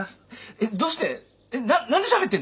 えっどうしてえっなっ何でしゃべってんの？